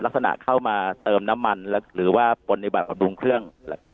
ลักษณะเข้ามาเติมน้ำมันหรือว่าปนิบัติกับดุงเครื่อง